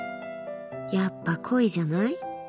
やっぱ恋じゃない。